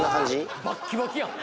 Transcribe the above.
バッキバキやん